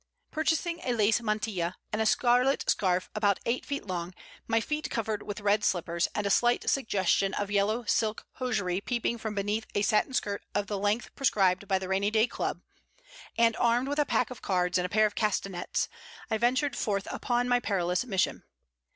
Purchasing a lace mantilla and a scarlet scarf about eight feet long, my feet covered with red slippers, and a slight suggestion of yellow silk hosiery peeping from beneath a satin skirt of the length prescribed by the rainy day club, and armed with a pack of cards and a pair of castanets, I ventured forth upon my perilous mission.